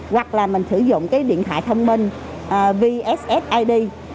hoặc là mình sử dụng cái điện thoại thông minh vssid